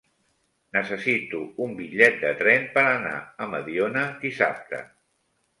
Necessito un bitllet de tren per anar a Mediona dissabte.